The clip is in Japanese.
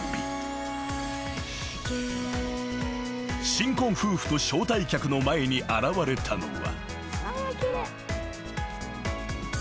［新婚夫婦と招待客の前に現れたのは］